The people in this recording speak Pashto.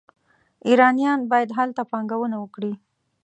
ایرانیان باید هلته پانګونه وکړي.